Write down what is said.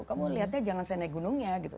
kamu lihatnya jangan saya naik gunungnya gitu